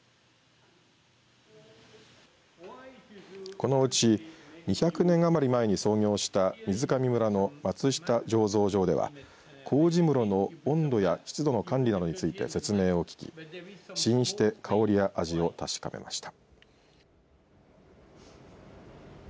このうち２００年余り前に創業した水上村の松下醸造場ではこうじ室の温度や湿度の管理などについて説明を聞き試飲して香りや味を確かめました。